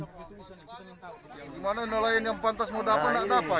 gimana nelayan yang pantas mau dapat nak dapat